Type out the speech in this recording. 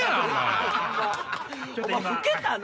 お前老けたな！